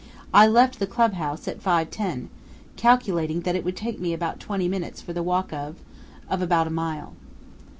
"I left the clubhouse at 5:10, calculating that it would take me about twenty minutes for the walk of of about a mile."